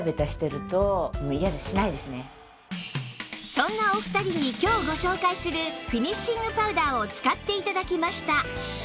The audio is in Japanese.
そんなお二人に今日ご紹介するフィニッシングパウダーを使って頂きました